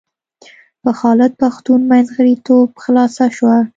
په خالد پښتون منځګړیتوب خلاصه شوه.